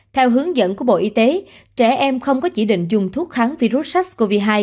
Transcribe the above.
theo hướng dẫn của bộ y tế trẻ em không có chỉ định dùng thuốc kháng virus sars cov hai